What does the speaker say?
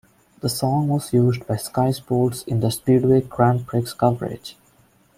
The song was used by Sky Sports in their Speedway Grand Prix coverage.